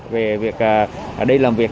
về việc đi làm việc